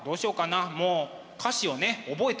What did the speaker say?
もう歌詞をね覚えてないから。